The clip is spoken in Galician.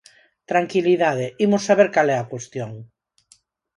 Tranquilidade, imos saber cal é a cuestión.